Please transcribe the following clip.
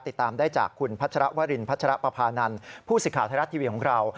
ติดตามได้จากคุณพัชรวรินพัชรปภานันทร์ผู้สิทธิ์ไทยรัฐทีวีของเรา